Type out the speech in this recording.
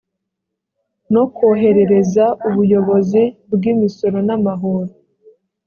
no koherereza ubuyobozi bw’imisoro n’amahoro